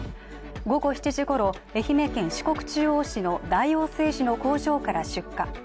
午後７時ごろ、愛媛県四国中央市の大王製紙の工場から出火。